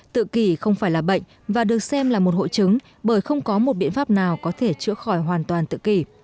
tự kỷ không phải là bệnh và được xem là một hội chứng bởi không có một biện pháp nào có thể chữa khỏi hoàn toàn tự kỷ